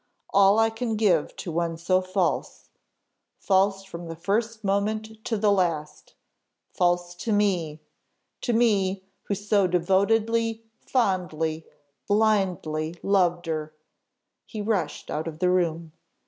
"All I can give to one so false false from the first moment to the last false to me to me! who so devotedly, fondly, blindly loved her!" He rushed out of the room.